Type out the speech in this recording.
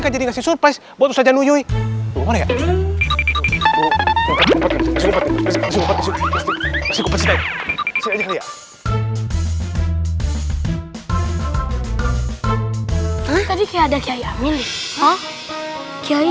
tadi kayak ada kayak milik